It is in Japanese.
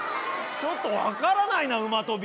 ちょっと分からないな馬跳び。